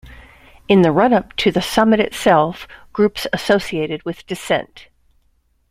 In the run-up to the summit itself, groups associated with Dissent!